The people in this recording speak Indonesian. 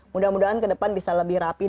mudah mudahan kedepan bisa lebih rapih